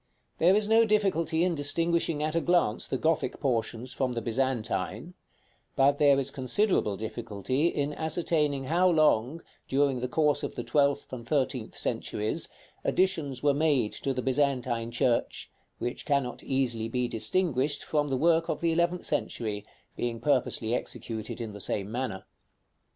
There is no difficulty in distinguishing at a glance the Gothic portions from the Byzantine; but there is considerable difficulty in ascertaining how long, during the course of the twelfth and thirteenth centuries, additions were made to the Byzantine church, which cannot be easily distinguished from the work of the eleventh century, being purposely executed in the same manner.